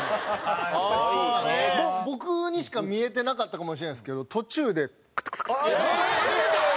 僕にしか見えてなかったかもしれないですけど途中でカタカタカタカタ！